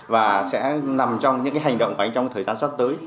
nó sẽ nằm trong những cái hành động của anh trong thời gian sắp tới